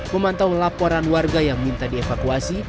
memantau laporan warga yang minta dievakuasi